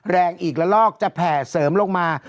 แรงอีกละลอกจะแผ่เสริมลงมา